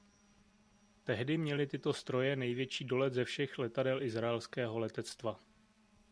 Tehdy měly tyto stroje největší dolet ze všech letadel izraelského letectva.